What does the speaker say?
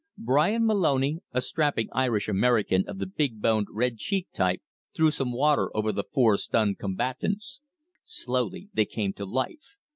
Bryan Moloney, a strapping Irish American of the big boned, red cheeked type, threw some water over the four stunned combatants. Slowly they came to life.